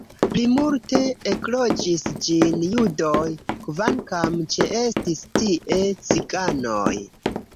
Plimulte ekloĝis ĝin judoj, kvankam ĉeestis tie ciganoj.